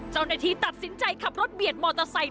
เจ้าหน้าที่ตัดสินใจขับรถเบียดมอเตอร์ไซค